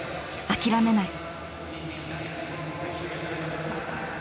諦めない。